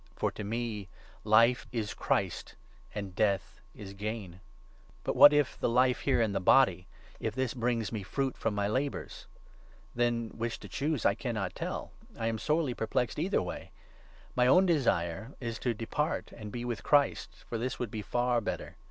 Lifa For to me life is Christ, and death is gain. But 21, or what if the life here in the body — if this brings Death. me fruit from my labours ? Then which to choose I cannot tell ! I am sorely perplexed either way ! My own 23 desire is to depart and be with Christ, for this would be far better.